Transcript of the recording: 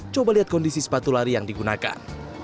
coba lihat kondisi sepatu lari yang digunakan